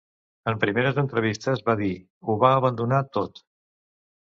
En primeres entrevistes, va dir: "Ho va abandonar tot..."